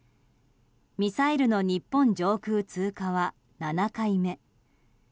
ミサイルの日本上空通過は７回目。